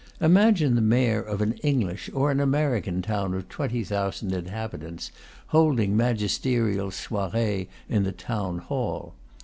Imagine the mayor of an English or an American town of twenty thousand inhabitants holding magisterial soirees in the town hall!